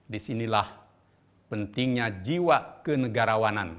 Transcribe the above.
disinilah pentingnya jiwa kenegarawanan